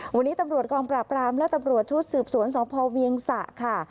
วันนี้ตำรวจกองปราบรามและตำรวจชุดสืบสวนสพเวียงสะค่ะ